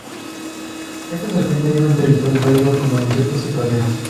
Esta serpiente vive en terrenos áridos, como desiertos y praderas.